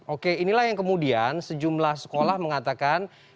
oke inilah yang kemudian sejumlah sekolah mengatakan